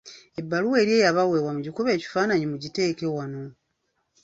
Ebbaluwa eri eyabaweebwa mugikube ekifaananyi mugiteeke wano.